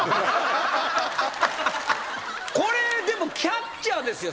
これでもキャッチャーですよ。